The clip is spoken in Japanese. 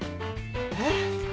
えっ？